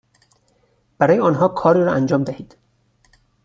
برای آنها کاری را انجام دهید،